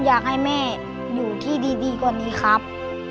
อยากให้แม่อยู่ที่ดีกว่านี้ครับ